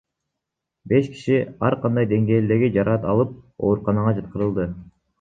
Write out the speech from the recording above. Беш киши ар кандай деңгээлдеги жараат алып, ооруканага жаткырылган.